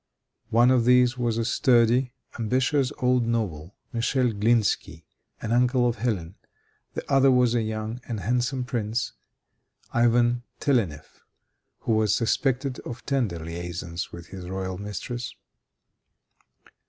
One of these was a sturdy, ambitious old noble, Michel Glinsky, an uncle of Hélène; the other was a young and handsome prince, Ivan Telennef, who was suspected of tender liaisons with his royal mistress.